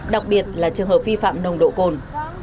đặc biệt là trường hợp vi phạm nồng độ cồn